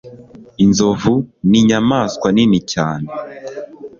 Inzovu ninyamaswa nini cyane.